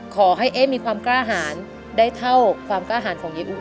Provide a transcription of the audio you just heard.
ขอให้เอ๊ะมีความกล้าหารได้เท่าความกล้าหารของญี่ปุ่น